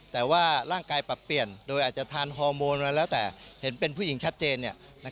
แต่ว่าร่างกายปรับเปลี่ยนโดยอาจจะทานฮอร์โมนมาแล้วแต่เห็นเป็นผู้หญิงชัดเจน